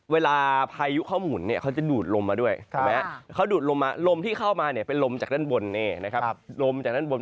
เวลาพายุเข้ามุนเนี่ยเขาจะดูดลมมาด้วยเขาดูดลมมาลมที่เข้ามาเนี่ยเป็นลมจากด้านบนเนี่ยนะครับ